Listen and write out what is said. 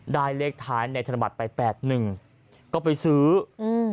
ได้เลขท้ายในธนบัตรไปแปดหนึ่งก็ไปซื้ออืม